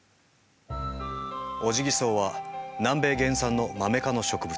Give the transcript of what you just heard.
オジギソウは南米原産のマメ科の植物。